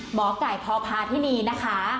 หมอไก่พพาธินีนะคะ